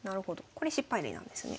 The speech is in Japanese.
これ失敗例なんですね。